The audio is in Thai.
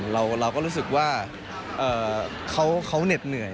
เราก็รู้สึกว่าเขาเหน็ดเหนื่อย